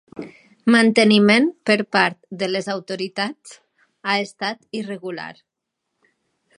Manteniment per part de les autoritats ha estat irregular.